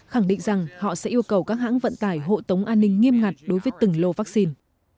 khẳng định rằng họ sẽ yêu cầu các hãng vận tải hộ tống an ninh nghiêm ngặt đối với từng lô vaccine